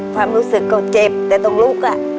ความรู้สึกก็เจ็บแต่ต้องลุก